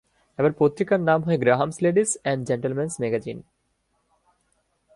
এবার পত্রিকার নাম হয় Graham's ladies and gentleman's magazine.